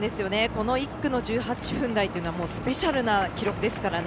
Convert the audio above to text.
１区の１８分台というのはスペシャルな記録ですからね。